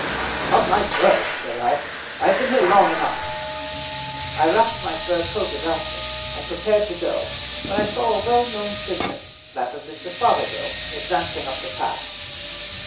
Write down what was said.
"Upon my word," said I, "I have been here long enough." I wrapped my fur coat about me, and prepared to go, when I saw a well known figure, that of Mr. Fothergill, advancing up the path.